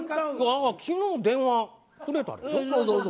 昨日電話くれたでしょ。